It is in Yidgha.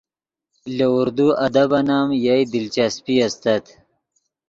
لے اردو ادبن ام یئے دلچسپی استت